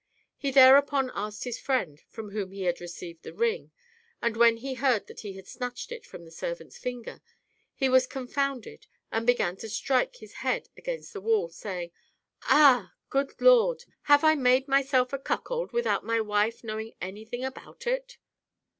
He thereupon asked his friend from whom he had received the ring, and when he heard he had snatched it from the ser vant's finger, he was confounded and began to strike his head against the wall, saying " Ah ! good Lord ! have I made myself a cuckold without my wife knowing anything about it?"